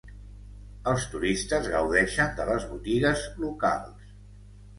Els turistes gaudeixen de les botigues locals.